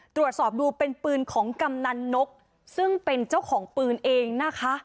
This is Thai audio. ตรวจสอบดูเป็นปืนของกำนันนกซึ่งเป็นเจ้าของปืนเองนะคะ